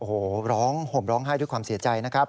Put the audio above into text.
โอ้โหร้องห่มร้องไห้ด้วยความเสียใจนะครับ